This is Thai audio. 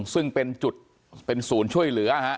ซึ่งเป็นจุดเป็นศูนย์ช่วยเหลือ